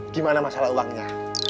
gimana masalah uangnya